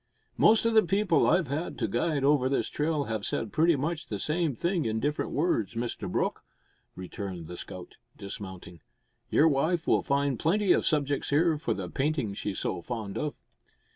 "Most o' the people I've had to guide over this trail have said pretty much the same thing in different words, Mr Brooke," returned the scout, dismounting. "Your wife will find plenty o' subjects here for the paintin' she's so fond of."